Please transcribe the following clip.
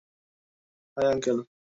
High, uncle!